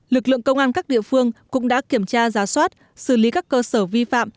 lực lượng công an các địa phương cũng đã kiểm tra giá soát xử lý các cơ sở vi phạm